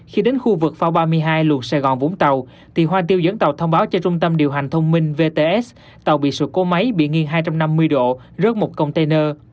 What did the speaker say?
khi đến khu vực phao ba mươi hai luồn sài gòn vũng tàu thì hoa tiêu dẫn tàu thông báo cho trung tâm điều hành thông minh vts tàu bị sự cố máy bị nghiêng hai trăm năm mươi độ rớt một container